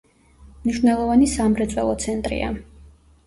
მნიშვნელოვანი სამრეწველო ცენტრია.